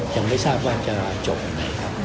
ยังไม่ทราบว่าจะจบยังไงครับ